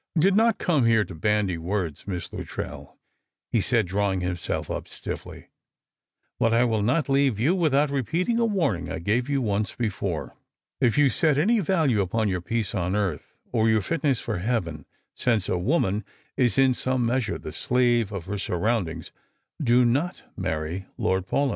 " I did not come here to bandy words. Miss Luttrell," he said, drawing himself up stifily ;" but I will not leave you without repeating a warning I gave you once before. If you set any value upon your peace on earth, or your fitness for heaven, since a woman is in some measure the slave of her surround ings, do not marry Lord Paulyn.